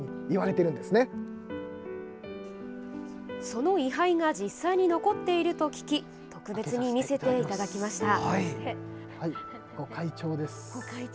その位はいが実際に残っていると聞き特別に見せていただきました。